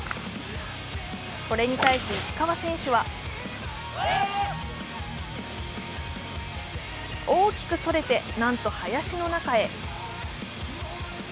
これに対し石川選手は大きくそれてなんと林の中へ。